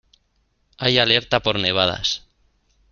Hay alerta por nevadas.